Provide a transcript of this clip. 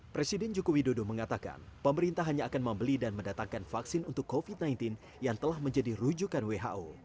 presiden joko widodo mengatakan pemerintah hanya akan membeli dan mendatangkan vaksin untuk covid sembilan belas yang telah menjadi rujukan who